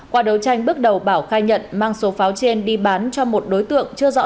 qua đấu tranh bước đầu bảo khai nhận mang số pháo trên đi bán cho một đối tượng chưa rõ